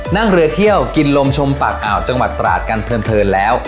นั่งเรือเที่ยวกินลมชมปากอ่าวจังหวัดตราดกันเพลินแล้ว